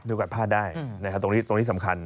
โอกาสพลาดได้ตรงนี้สำคัญ